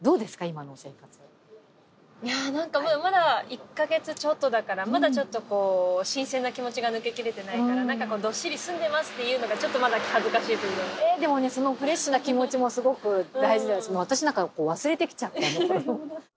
今の生活いや何かまだ１カ月ちょっとだからまだちょっとこう新鮮な気持ちが抜けきれてないから何かこうどっしり住んでますっていうのがちょっとまだ恥ずかしいえでもねそのフレッシュな気持ちもすごく大事だし私なんか忘れてきちゃった